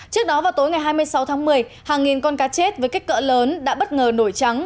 trước đó vào tối ngày hai mươi sáu tháng một mươi hàng nghìn con cá chết với kích cỡ lớn đã bất ngờ nổi trắng